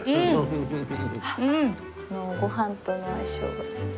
ご飯との相性が。